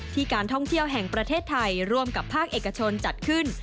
การท่องเที่ยวแห่งประเทศไทยร่วมกับภาคเอกชนจัดขึ้น